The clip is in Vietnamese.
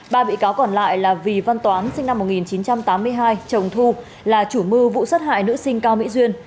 ba bị cáo còn lại là vì văn toán sinh năm một nghìn chín trăm tám mươi hai chồng thu là chủ mưu vụ sát hại nữ sinh cao mỹ duyên